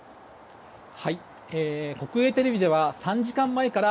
国営テレビでは３時間前から